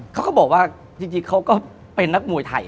เขาก็บอกว่าจริงเขาก็เป็นนักมวยไทย